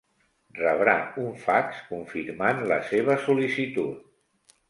Rebrà un fax confirmant la seva sol·licitud.